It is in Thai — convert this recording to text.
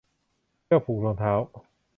เชือกผูกรองเท้า